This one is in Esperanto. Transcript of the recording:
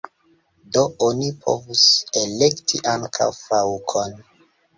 Do oni povus elekti ankaŭ faŭkon.